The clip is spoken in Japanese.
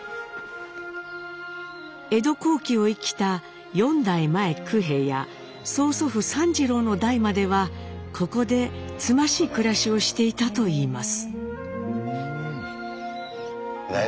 江戸後期を生きた４代前九平や曽祖父三次郎の代まではここでつましい暮らしをしていたといいます。